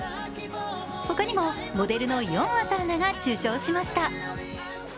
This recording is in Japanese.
他にもモデルのヨンアさんらが受賞しました。